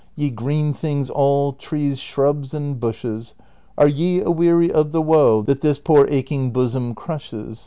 Ye green things all, trees, shrubs, and bushes, Are ye aweary of the woe That this jjoor aching bosom crushes